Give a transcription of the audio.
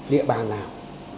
địa bàn nào